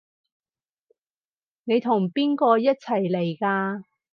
你同邊個一齊嚟㗎？